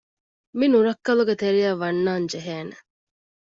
މި ނުރައްކަލުގެ ތެރެއަށް ވަންނާން ޖެހޭނެ